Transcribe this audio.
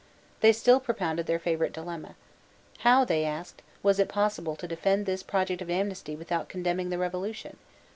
They still propounded their favourite dilemma. How, they asked, was it possible to defend this project of amnesty without condemning the Revolution?